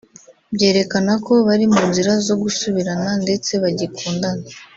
byerekana ko bari mu nzira zo gusubirana ndetse bagikundana